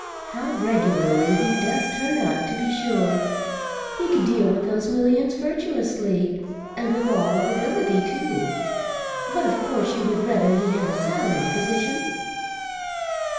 How regularly he does 'turn up,' to be sure. He could deal with those millions virtuously, and withal with ability, too but of course you would rather he had a salaried position?"